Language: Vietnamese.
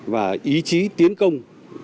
và ý chí tiến công